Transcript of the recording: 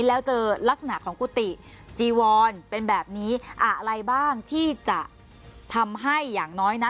แล้วเจอลักษณะของกุฏิจีวรเป็นแบบนี้อะไรบ้างที่จะทำให้อย่างน้อยนะ